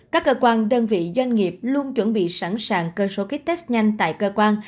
các cơ quan đơn vị doanh nghiệp luôn chuẩn bị sẵn sàng cơ số ký test nhanh tại cơ quan